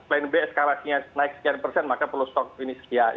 plan b eskalasinya naik sekian persen maka perlu stok ini sekian